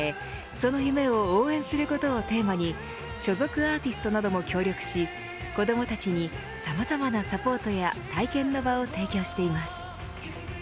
その夢を応援することをテーマに所属アーティストなども協力し子どもたちにさまざまなサポートや体験の場を提供しています。